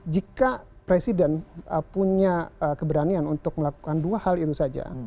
jika presiden punya keberanian untuk melakukan dua hal itu saja